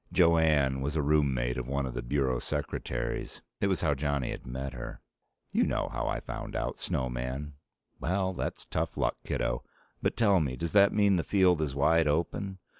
Jo Anne was a roommate of one of the Bureau Secretaries. It was how Johnny had met her. "You know how I found out, Snowman. Well, that's tough luck, kiddo. But tell me, does that mean the field is wide open?